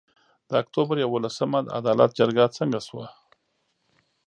د اُکټوبر یولسمه د عدالت جرګه څنګه سوه؟